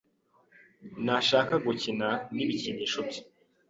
Ntashaka gukina n ibikinisho bye.